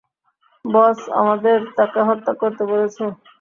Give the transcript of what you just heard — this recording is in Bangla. বস আমাদের তাকে হত্যা করতে বলেছে।